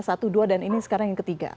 satu dua dan ini sekarang yang ketiga